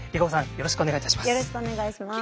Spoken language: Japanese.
よろしくお願いします。